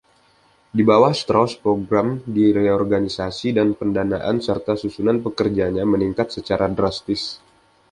Di bawah Strauss program di reorganisasi, dan pendanaan serta susunan pekerjanya meningkat secara drastis.